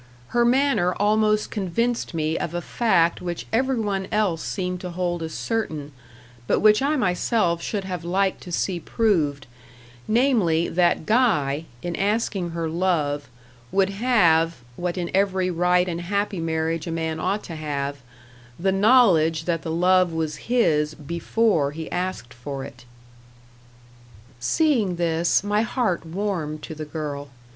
Her manner almost convinced me of a fact which every one else seemed to hold as certain, but which I myself should have liked to see proved; namely, that Guy, in asking her love, would have what in every right and happy marriage a man ought to have the knowledge that the love was his before he asked for it. Seeing this, my heart warmed to the girl.